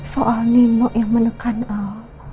soal nino yang menekan al